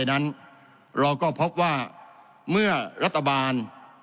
นั้นเราก็พบว่าเมื่อรัฐบาล